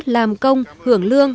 làm công hưởng lương